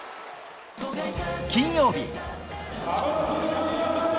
金曜日。